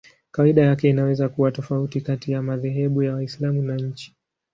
Kawaida yake inaweza kuwa tofauti kati ya madhehebu ya Waislamu na nchi.